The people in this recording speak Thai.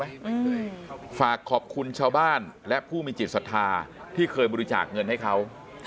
ฝากอะไรรู้ไหมฝากขอบคุณชาวบ้านและผู้มีจิตสัทธาที่เคยบุริจาคเงินให้เขา